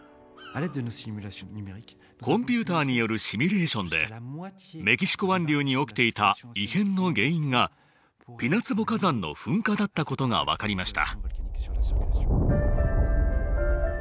コンピューターによるシミュレーションでメキシコ湾流に起きていた異変の原因がピナツボ火山の噴火だったことが分かりました。